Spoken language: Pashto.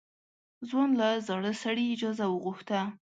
ځوان له زاړه سړي اجازه وغوښته.